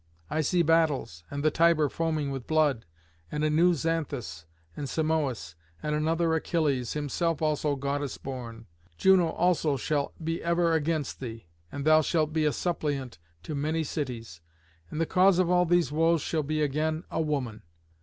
I see battles, and the Tiber foaming with blood, and a new Xanthus and Simoïs, and another Achilles, himself also goddess born. Juno also shall be ever against thee. And thou shalt be a suppliant to many cities. And the cause of all these woes shall be again a woman.